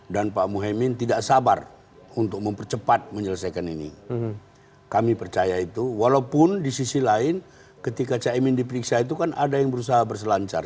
dan pak muhyemin tidak sabar untuk mempercepat menyelesaikan ini kami percaya itu walaupun di sisi lain ketika cak emin diperiksa itu kan ada yang berusaha berselancar